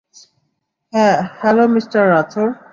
হ্যাঁঁ hello mister Rathore?